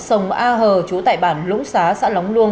sông a hờ trú tại bản lũng xá xã lóng luông